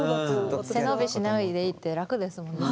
背伸びしないでいいって楽ですもんね